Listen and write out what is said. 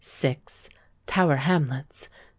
Tower Hamlets; 7.